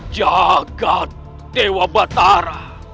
jaga dewa batara